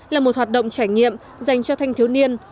là một hoạt động trải nghiệm dành cho thanh thiếu niên